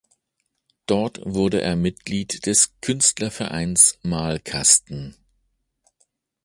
Dort wurde er Mitglied des Künstlervereins "Malkasten".